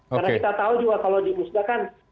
karena kita tahu juga kalau diusahakan